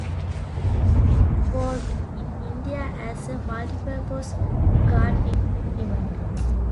It evolved in India as a multi-purpose gardening implement.